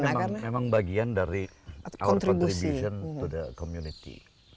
nah ini memang bagian dari contribution to the community